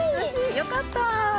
よかった。